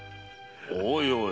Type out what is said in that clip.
おいおい